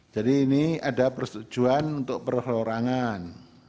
jadi ini ada persetujuan untuk perhorangan